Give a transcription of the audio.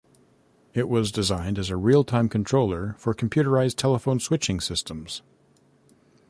It was designed as a real-time controller for computerized telephone switching systems.